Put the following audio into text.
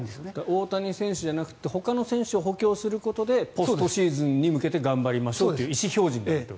大谷選手じゃなくてほかの選手を補強することでポストシーズンに向けて頑張りましょうという意思表示になると。